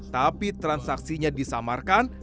tapi transaksinya disamarkan